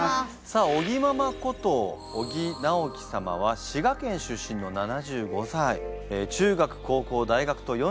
さあ尾木ママこと尾木直樹様は滋賀県出身の７５歳。